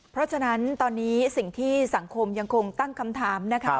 เพราะฉะนั้นตอนนี้สิ่งที่สังคมยังคงตั้งคำถามนะคะ